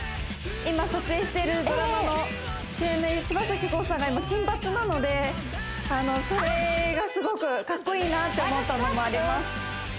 今撮影しているドラマの主演の柴咲コウさんが今金髪なのでそれがすごくカッコイイなって思ったのもあります